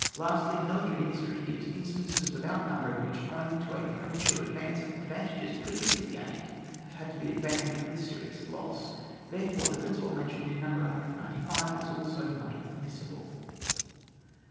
Lastly, military history gives in stances without number in which, owing to a premature advance, advantages previously gained have had to be aban doned with'Serious loss. Therefore, the principle mentioned in No. 195 is also not admissible.